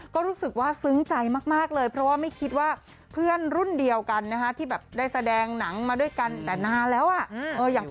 ก็รู้สึกว่าซึ้งใจมากเลยเพราะว่าไม่คิดว่าเพื่อนรุ่นเดียวกันนะฮะที่แบบได้แสดงหนังมาด้วยกันแต่นานแล้วอ่ะ